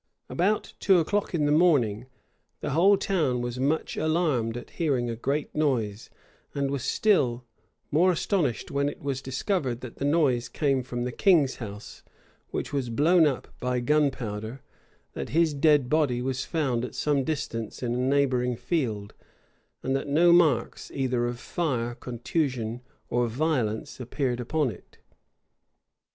About two o'clock in the morning, the whole town was much alarmed at hearing a great noise; and was still more astonished, when it was discovered that the noise came from the king's house, which was blown up by gunpowder; that his dead body was found at some distance in a neighboring field; and that no marks, either of fire, contusion, or violence appeared upon it.